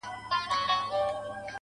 انسان حیوان دی، حیوان انسان دی.